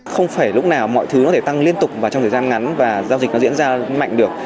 không phải lúc nào mọi thứ có thể tăng liên tục và trong thời gian ngắn và giao dịch nó diễn ra mạnh được